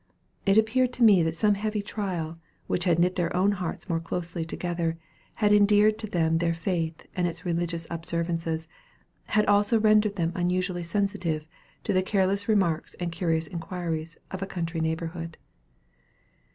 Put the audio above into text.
It appeared to me that some heavy trial, which had knit their own hearts more closely together, and endeared to them their faith and its religious observances, had also rendered them unusually sensitive to the careless remarks and curious inquiries of a country neighborhood.